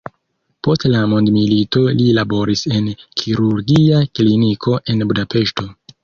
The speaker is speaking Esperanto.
Post la mondomilito li laboris en kirurgia kliniko en Budapeŝto.